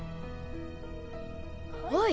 おい！